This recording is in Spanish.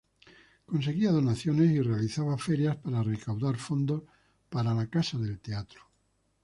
Conseguía donaciones y realizaba ferias para recaudar fondos para la Casa del Teatro.